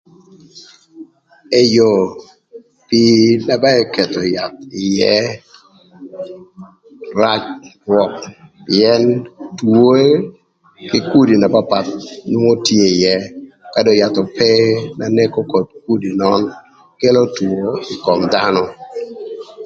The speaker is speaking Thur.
Eyo, pii na ba eketho yath ïë rac rwök pïën twoe kï kudi na papath nwongo tye ïë. Ka dong yath ope na neko koth kudi nön, kelo two ï kom dhano.